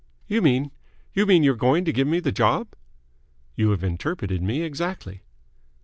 "You mean you mean you're going to give me the job?" "You have interpreted me exactly."